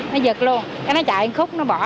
nó giật luôn cái nó chạy khúc nó bỏ